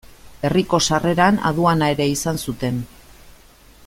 Herriko sarreran aduana ere izan zuten.